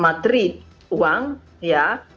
matri uang ya